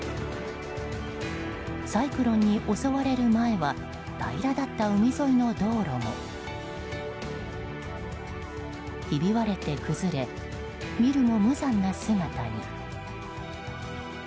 サイクロンに襲われる前は平らだった海沿いの道路もひび割れて崩れ見るも無残な姿に。